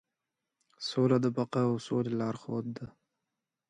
سوله د بقا او سولې لارښود ده.